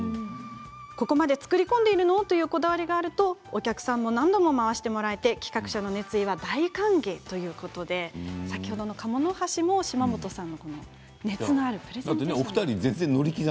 ここまで作り込んでいるの？というこだわりがあるとお客さんも何度も回してもらえて企画者の熱意は大歓迎ということで先ほどのカモノハシも島本さんの熱のあるプレゼンが。